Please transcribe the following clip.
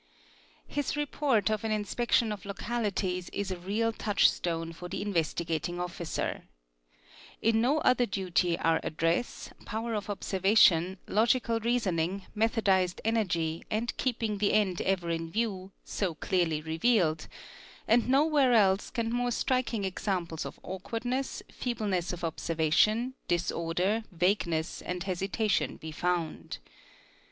&,' His report? of an inspection of localities is a real touchstone for the Investigating Officer. In no other duty are address, power of observa tion, logical reasoning, methodised energy, and keeping the end ever in _view, so clearly revealed ; and nowhere else can more striking examples of awkwardness, feebleness of observation, disorder, vagueness, and hesi tation be found.